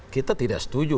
kita tidak setuju